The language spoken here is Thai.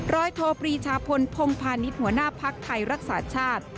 ร้อยโทบรีชาพลพงภานิษฐ์หัวหน้าพักไทยรักษาชาติ